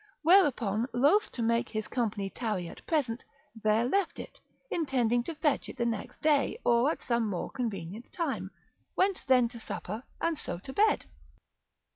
Whereupon loath to make his company tarry at present, there left it, intending to fetch it the next day, or at some more convenient time, went thence to supper, and so to bed.